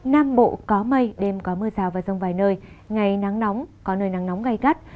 nam bộ có mây đêm có mưa rào và rông vài nơi ngày nắng nóng có nơi nắng nóng gai gắt